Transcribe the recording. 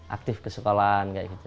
aktif ke sekolahan